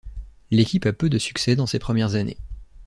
L'équipe a peu de succès dans ses premières années.